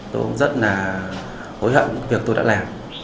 tôi rất hối hận với việc tôi đã làm